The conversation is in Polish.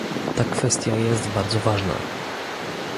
Ta kwestia jest bardzo ważna